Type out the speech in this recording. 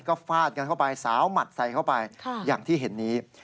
ก็ฟาดกันเข้าไปสาวหมัดใส่เข้าไปอย่างที่เห็นนี้